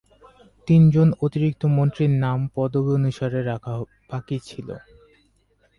তিনজন অতিরিক্ত মন্ত্রীর নাম পদবী অনুসারে রাখা বাকি ছিল।